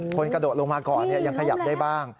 กระโดดลงมาก่อนยังขยับได้บ้าง